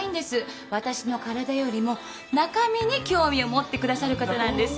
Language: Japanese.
私の体よりも中身に興味を持ってくださる方なんです。